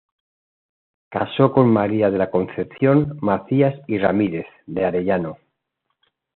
Casó con María de la Concepción Macías y Ramírez de Arellano.